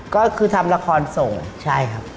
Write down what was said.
ก็คือทำละครส่งใช่ครับ